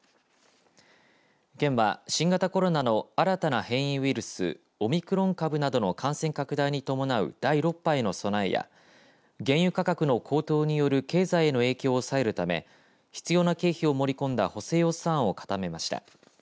県は、新型コロナの新たな変異ウイルスオミクロン株などの感染拡大に伴う第６波への備えや原油価格の高騰による経済への影響を抑えるため必要な経費を盛り込んだ補正予算案を固めました。